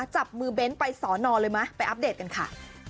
จับมือเบ้นไปสอนอเลยไหมไปอัปเดตกันค่ะ